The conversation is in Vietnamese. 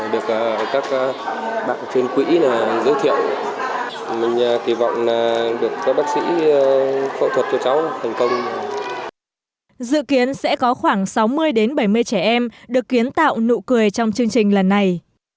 dự kiến sẽ có khoảng sáu mươi bảy mươi trẻ em được kiến tạo nụ cười trong chương trình lần này